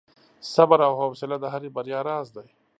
• صبر او حوصله د هرې بریا راز دی.